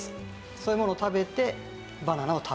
そういうものを食べてバナナを食べると。